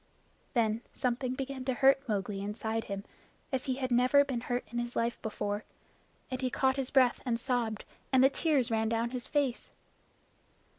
Then something began to hurt Mowgli inside him, as he had never been hurt in his life before, and he caught his breath and sobbed, and the tears ran down his face.